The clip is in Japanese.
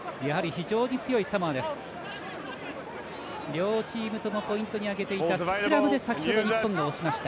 両チームともポイントに挙げていたスクラムで先ほど日本が押しました。